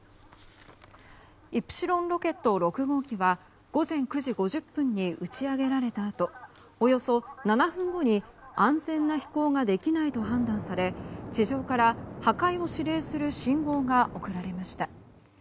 「イプシロン」ロケット６号機は午前９時５０分に打ち上げられたあとおよそ７分後に安全な飛行ができないと判断され地上から破壊を指令する信号が送られました。